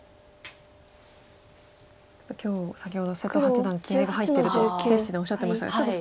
ちょっと今日先ほど瀬戸八段気合いが入ってると謝七段おっしゃってましたがちょっとその辺り